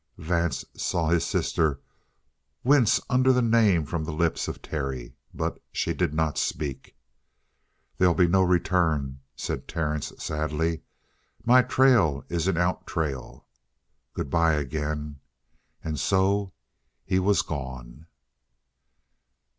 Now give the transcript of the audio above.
Vance saw his sister wince under that name from the lips of Terry. But she did not speak. "There'll be no return," said Terence sadly. "My trail is an out trail. Good by again." And so he was gone.